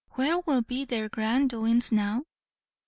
"Where will be their grand doin's now?